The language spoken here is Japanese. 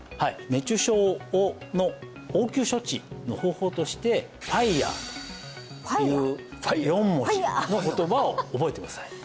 熱中症の応急処置の方法として「ＦＩＲＥ」という４文字の言葉を覚えてください